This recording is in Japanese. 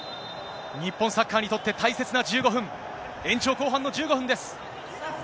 日本サッカーにとって大切な１５分、延長後半の１５分です。